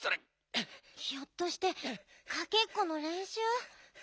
ひょっとしてかけっこのれんしゅう？